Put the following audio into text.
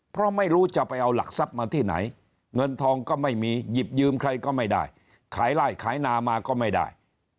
เพราะไม่รู้จะไปเอาหลักทรัพย์มาที่ไหนเงินทองก็ไม่มีหยิบยืมใครก็ไม่ได้ขายไล่ขายนามาก็ไม่ได้